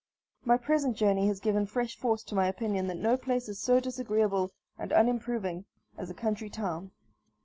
My present journey has given fresh force to my opinion that no place is so disagreeable and unimproving as a country town.